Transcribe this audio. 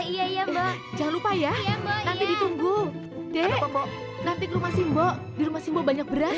iya iya mbak jangan lupa ya nanti ditunggu dek nanti ke rumah simbo di rumah simbol banyak beras